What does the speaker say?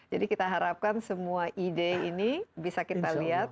jadi kita harapkan semua ide ini bisa kita lihat